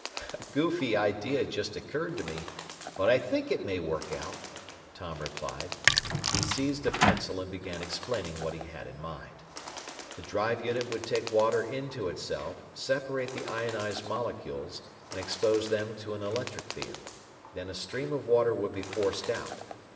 "A goofy idea just occurred to me, but I think it may work out," Tom replied. He seized a pencil and began explaining what he had in mind. The drive unit would take water into itself, separate the ionized molecules, and expose them to an electric field. Thus a stream of water would be forced out.